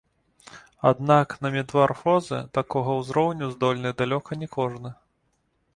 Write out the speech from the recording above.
Аднак на метамарфозы такога ўзроўню здольны далёка не кожны.